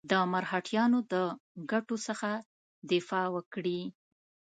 د مرهټیانو د ګټو څخه دفاع وکړي.